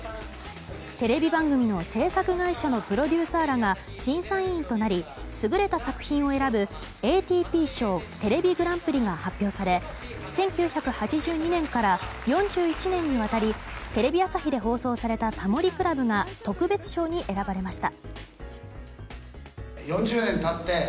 テレビ番組の制作番組のプロデューサーらが審査員となり、優れた作品を選ぶＡＴＰ賞テレビグランプリが発表され１９８２年から４１年にわたりテレビ朝日で放送された「タモリ倶楽部」が特別賞に選ばれました。